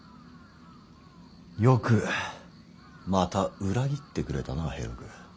よくまた裏切ってくれたな平六。